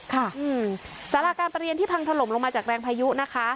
สาราการประเรียนที่พังถล่มลงมาจากแรงพายุนะคะ